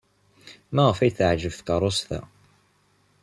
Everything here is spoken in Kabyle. Maɣef ay t-teɛjeb tkeṛṛust-a?